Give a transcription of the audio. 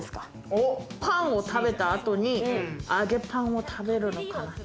ご飯を食べた後に、揚げパンを食べるのかなって。